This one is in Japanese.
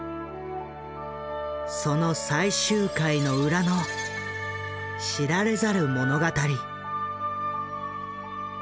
その最終回の裏の知られざる物語。